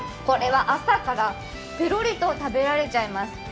これは朝からペロリと食べられちゃいます。